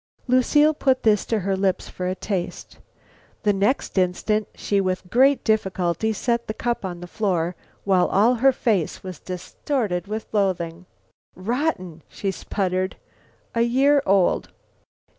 Lucile put this to her lips for a taste. The next instant she with great difficulty set the cup on the floor while all her face was distorted with loathing. "Rotten!" she sputtered. "A year old!"